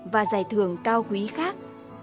và giải thưởng cao quý khác